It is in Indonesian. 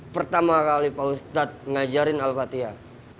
pertama kali pak ustadz ngajarin al fatihah